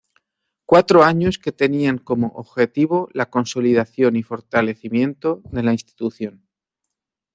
Cuatro años que tenían como objetivo la consolidación y fortalecimiento de la institución.